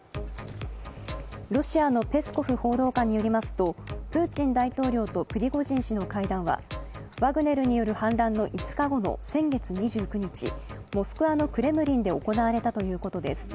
ロシアのペスコフ報道官によりますとプーチン大統領とプリゴジン氏の会談はワグネルによる反乱の５日後の先月２９日、モスクワのクレムリンで行われたということです。